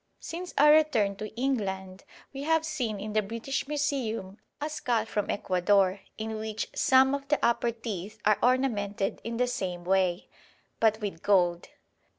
Since our return to England we have seen in the British Museum a skull from Ecuador, in which some of the upper teeth are ornamented in the same way, but with gold.